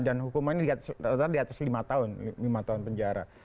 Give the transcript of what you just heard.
dan hukuman ini di atas lima tahun penjara